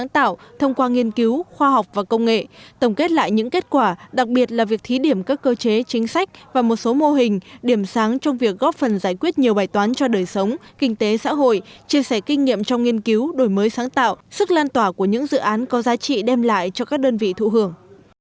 tổng kết lại những kết quả đặc biệt là việc thí điểm các cơ chế chính sách và một số mô hình điểm sáng trong việc góp phần giải quyết nhiều bài toán cho đời sống kinh tế xã hội chia sẻ kinh nghiệm trong nghiên cứu đổi mới sáng tạo sức lan tỏa của những dự án có giá trị đem lại cho các đơn vị thụ hưởng